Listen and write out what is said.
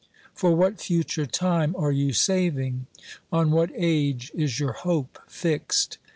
For what future time are you saving ? On what age is your hope fixed